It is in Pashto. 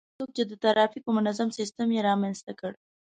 هغه څوک چي د ترافیکو منظم سیستم يې رامنځته کړ